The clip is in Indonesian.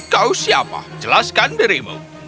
kau siapa jelaskan dirimu